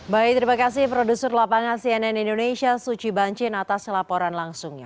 baik terima kasih produsur lapangan cnn indonesia suci banci atas laporan langsungnya